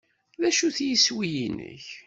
D acu-t yiswi-nnek?